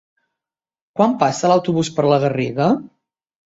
Quan passa l'autobús per la Garriga?